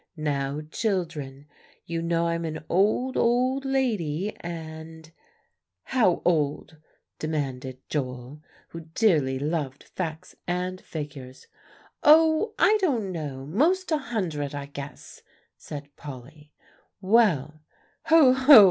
Now, children, you know I'm an old, old lady, and" "How old?" demanded Joel, who dearly loved facts and figures. "Oh! I don't know most a hundred I guess," said Polly; "well" "Ho Ho!